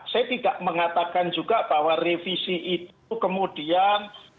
saya tidak mengatakan juga bahwa revisi itu kemudian